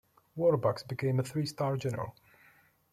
Warbucks became a three-star general.